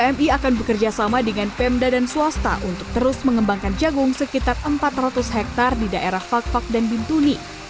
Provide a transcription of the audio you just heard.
kepada pmi akan bekerja sama dengan pemda dan swasta untuk terus mengembangkan jagung sekitar empat ratus hektar di daerah pakvak dan bintuni